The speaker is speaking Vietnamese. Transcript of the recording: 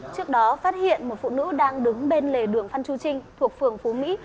trước đó phát hiện một phụ nữ đang đứng bên lề đường phan chu trinh thuộc phường phú mỹ